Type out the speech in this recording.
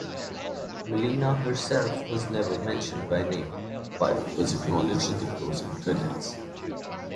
Mileena herself was never mentioned by name but was acknowledged in the closing credits.